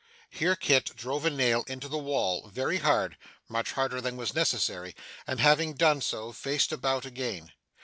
Here Kit drove a nail into the wall, very hard much harder than was necessary and having done so, faced about again.